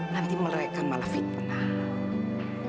nanti mereka malah fitnah